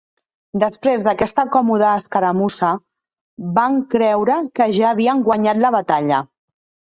Després d'aquesta còmode escaramussa van creure que ja havien guanyat la batalla.